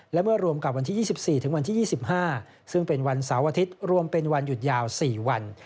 และเมื่อรวมกับวันที่๒๔ถึงวันที่๒๕ซึ่งเป็นวันเสาร์อาทิตย์รวมเป็นวันหยุดยาว๔วัน